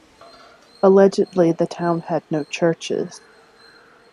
Allegedly, the town had no churches.